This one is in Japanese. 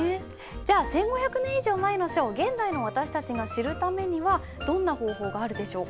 じゃあ１，５００年以上前の書を現代の私たちが知るためにはどんな方法があるでしょうか？